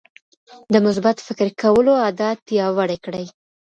د مثبت فکر کولو عادت پیاوړی کړئ.